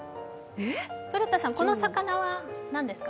古田さん、この魚は何ですか？